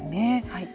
はい。